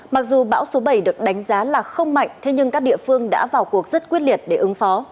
mặc dù bão số bảy được đánh giá là không mạnh thế nhưng các địa phương đã vào cuộc rất quyết liệt để ứng phó